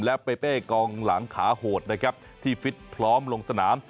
และเปเป้กองหลังขาโหดนะครับที่ฟิตพร้อมลงสนาม